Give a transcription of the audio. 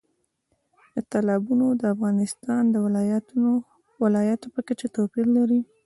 تالابونه د افغانستان د ولایاتو په کچه توپیر لري.